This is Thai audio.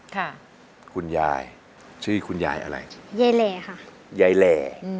ค่ะคุณยายชื่อคุณยายอะไรยายแหล่ค่ะยายแหล่อืม